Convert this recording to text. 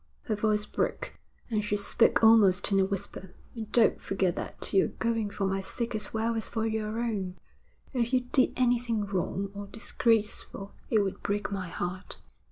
Her voice broke, and she spoke almost in a whisper. 'And don't forget that you're going for my sake as well as for your own. If you did anything wrong or disgraceful it would break my heart.'